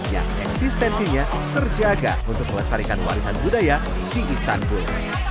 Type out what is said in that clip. yang eksistensinya terjaga untuk melestarikan warisan budaya di istanbul